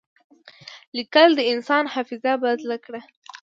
لیکل د انسان حافظه بدل کړه.